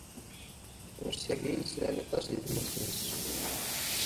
Ayagi yesnerna aṭas di tmusni-s.